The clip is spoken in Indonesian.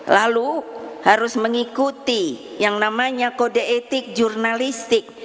lalu harus mengikuti yang namanya kode etik jurnalistik